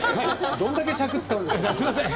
どんだけ尺使うんですか。